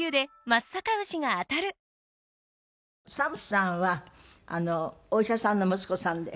ＳＡＭさんはお医者さんの息子さんで。